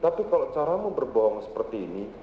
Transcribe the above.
tapi kalau caramu berbohong seperti ini